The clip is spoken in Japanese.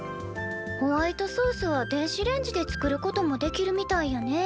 ホワイトソースは電子レンジで作ることもできるみたいやね。